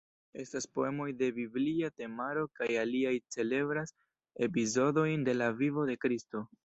Estas poemoj de biblia temaro kaj aliaj celebras epizodojn de la vivo de Kristo.